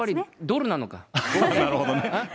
なるほどね。